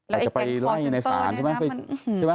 แล้วไอ้แก่คอสเตอร์เนี่ยนะ